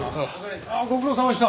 ああご苦労さまでした。